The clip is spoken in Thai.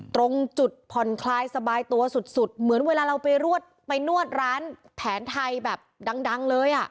ตรงจุดผ่อนคลายสบายตัวสุดเหมือนเวลาเราไปนวดร้านแผนไทยแบบดังเลยอ่ะ